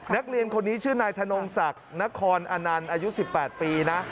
นักเรียนคนนี้ชื่อนายธนงศักดิ์นครอนันต์อายุ๑๘ปีนะ